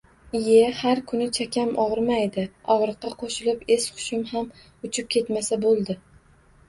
Ie, har kuni chakkam ogʻrimaydi. Ogʻriqqa qoʻshilib es-hushim ham uchib ketmasa boʻldi.